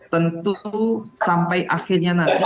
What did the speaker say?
tentu sampai akhirnya nanti